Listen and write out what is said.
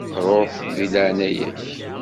Ruḥ, deg leɛnaya-k.